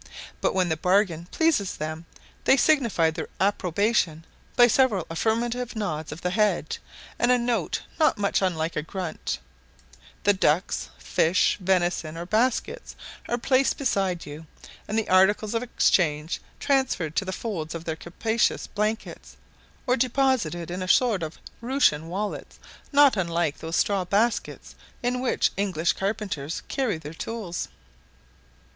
But when the bargain pleases them, they signify their approbation by several affirmative nods of the head, and a note not much unlike a grunt; the ducks, fish, venison, or baskets, are placed beside you, and the articles of exchange transferred to the folds of their capacious blankets, or deposited in a sort of rushen wallets, not unlike those straw baskets in which English carpenters carry their tools.